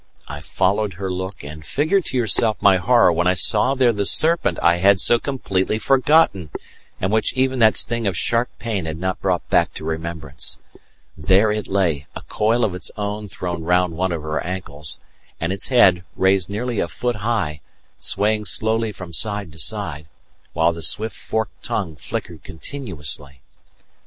I followed her look, and figure to yourself my horror when I saw there the serpent I had so completely forgotten, and which even that sting of sharp pain had not brought back to remembrance! There it lay, a coil of its own thrown round one of her ankles, and its head, raised nearly a foot high, swaying slowly from side to side, while the swift forked tongue flickered continuously.